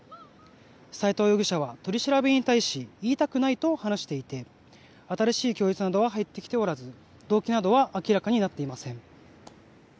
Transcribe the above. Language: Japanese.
斎藤容疑者は取り調べに対し言いたくないと話していて新しい供述などは入ってきておらず動機などは明らかになっていません。